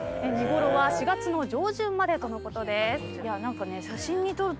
見頃は４月の上旬までとのことです。